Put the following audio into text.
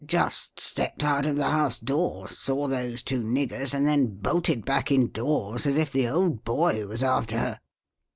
Just stepped out of the house door, saw those two niggers, and then bolted back indoors as if the Old Boy was after her."